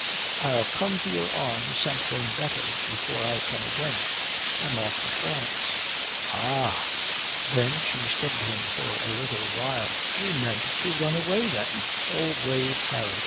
"I'll come to your arms something better before I come again. I am off to France." "Ah!" Then she studied him for a little while. "You meant to run away, then. Oh, brave Harry!